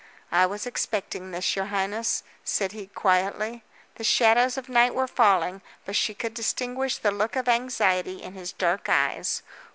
"I was expecting this, your highness," said he quietly. The shadows of night were falling, but she could distinguish the look of anxiety in his dark eyes.